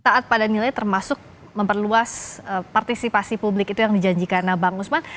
taat pada nilai termasuk memperluas partisipasi publik itu yang dijanjikan bang usman